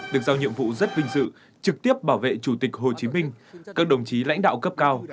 được giao nhiệm vụ rất vinh dự trực tiếp bảo vệ chủ tịch hồ chí minh các đồng chí lãnh đạo cấp cao